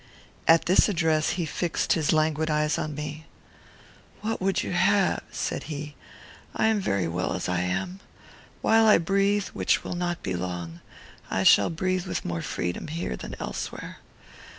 At this address he fixed his languid eyes upon me. "What would you have?" said he. "I am very well as I am. While I breathe, which will not be long, I shall breathe with more freedom here than elsewhere.